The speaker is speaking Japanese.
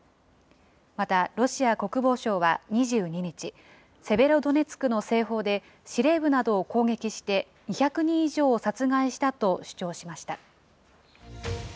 また、ロシア国防省は２２日、セベロドネツクの西方で、司令部などを攻撃して、２００人以上を殺害したと主張しました。